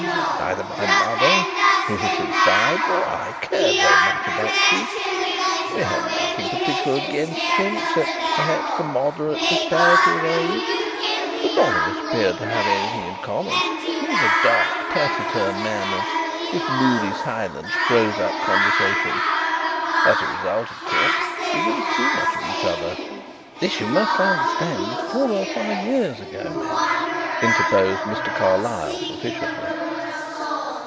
Neither my mother (who has since died) nor I cared very much about Creake. We had nothing particular against him, except, perhaps, the moderate disparity of age, but none of us appeared to have anything in common. He was a dark, taciturn man, and his moody silence froze up conversation. As a result, of course, we didn't see much of each other." "This, you must understand, was four or five years ago, Max," interposed Mr. Carlyle officiously.